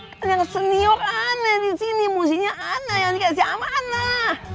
kan yang senior aneh disini musiknya aneh yang dikasih amanah